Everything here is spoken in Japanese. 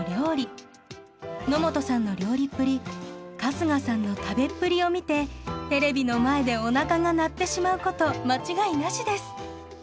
野本さんの料理っぷり春日さんの食べっぷりを見てテレビの前でおなかが鳴ってしまうこと間違いなしです。